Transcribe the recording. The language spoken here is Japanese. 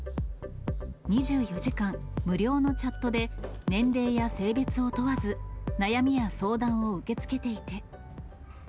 ２４時間、無料のチャットで、年齢や性別を問わず、悩みや相談を受け付けていて。